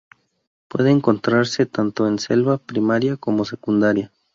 Puede encontrarse tanto en selva primaria como secundaria.